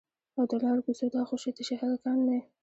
او د لارو کوڅو دا خوشي تشي هلکان مې